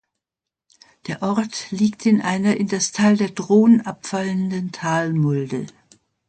Der Ort liegt in einer in das Tal der Dhron abfallenden Talmulde.